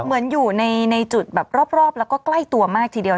เหมือนอยู่ในจุดแบบรอบแล้วก็ใกล้ตัวมากทีเดียว